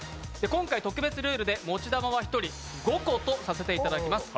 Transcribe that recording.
今回特別ルールで持ち玉は１人５個とさせていただきます。